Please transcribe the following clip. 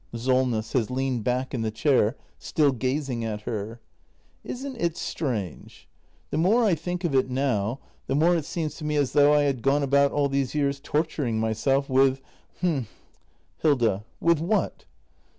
Solness. [Has leaned back in the chair, still gazing at her.] Isn't it strange ? The more I think of it now, the more it seems to me as though I had gone about all these years torturing myself with — h'm Hilda. With what?